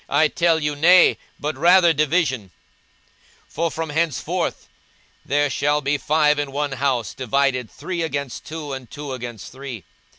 I tell you, Nay; but rather division: 42:012:052 For from henceforth there shall be five in one house divided, three against two, and two against three.